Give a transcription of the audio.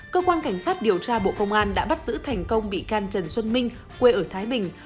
cơ quan cảnh sát điều tra bộ công an đã bắt giữ thành công bị can trần xuân minh quê ở thái bình